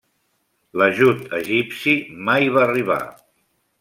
L'ajut egipci mai va arribar.